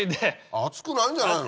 熱くないんじゃないの？